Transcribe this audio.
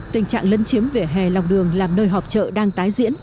tình trạng lấn chiếm vỉa hè lòng đường làm nơi họp chợ đang tái diễn